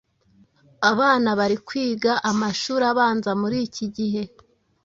Abana bari kwiga amashuri abanza muri iki gihe